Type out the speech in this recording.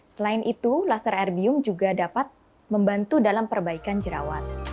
selain itu laser erbium juga dapat membantu dalam perbaikan jerawat